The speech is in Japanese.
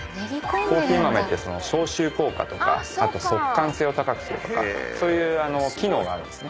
コーヒー豆って消臭効果とかあと速乾性を高くするとかそういう機能があるんですね。